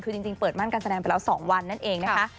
คือจริงเปิดม่านการแสดงไปแล้ว๒วันนั่นเองนะคะ